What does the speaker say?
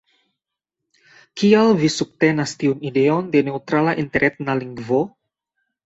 Kial vi subtenas tiun ideon de neŭtrala interetna lingvo?